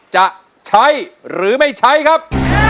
จะใช้หรือไม่ใช้ครับ